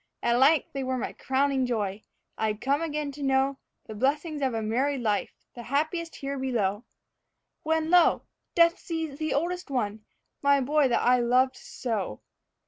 At length they were my crowning joy. I'd come again to know The blessings of a married life the happiest here below When, lo! Death seized the oldest one, my boy that I loved so.